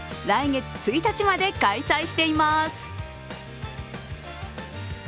来月１日まで開催しています。